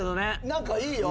何かいいよ